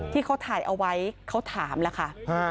ที่เขาถ่ายเอาไว้เขาถามแล้วค่ะ